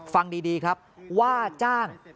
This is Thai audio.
ฟังดีครับว่าจ้าง